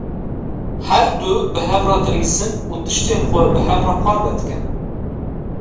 Her du bi hev re dilîzin û tiştên xwe bi hev re parve dikin.